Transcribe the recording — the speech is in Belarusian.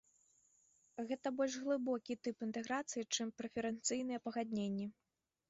Гэта больш глыбокі тып інтэграцыі, чым прэферэнцыйныя пагадненні.